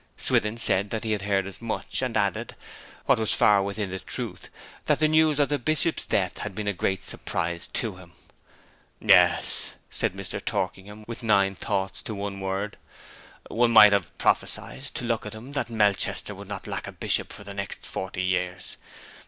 Swithin said he had heard as much, and added, what was far within the truth, that the news of the Bishop's death had been a great surprise to him. 'Yes,' said Mr. Torkingham, with nine thoughts to one word. 'One might have prophesied, to look at him, that Melchester would not lack a bishop for the next forty years.